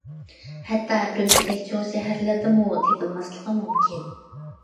ھەتتا ئۈرۈمچىدەك چوڭ شەھەرلەردىمۇ تېپىلماسلىقى مۇمكىن.